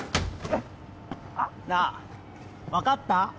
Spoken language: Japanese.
なあ分かった？